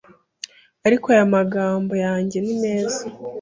Ariko aya magambo yanjye ni meza,